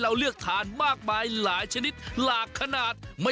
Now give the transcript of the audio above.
แล้วตัวมันจะใหญ่ไหม